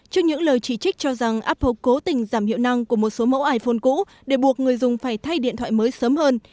trước những lời chỉ trích cho rằng apple cố tình giảm hiệu năng của một số mẫu iphone cũ để buộc người dùng phải thay điện thoại mới sớm hơn